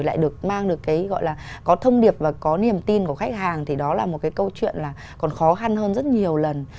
lại được mang được cái gọi là có thông điệp và có niềm tin của khách hàng thì đó là một cái câu chuyện là còn khó khăn hơn rất nhiều lần